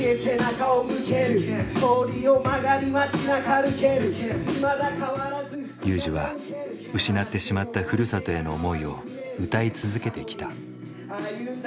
ＲＹＵＪＩは失ってしまったふるさとへの思いを歌い続けてきた。